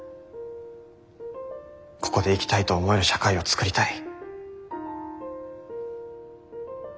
ここで生きたいと思える社会を創りたい。